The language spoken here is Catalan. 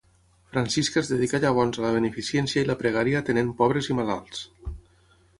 Francisca es dedicà llavors a la beneficència i la pregària, atenent pobres i malalts.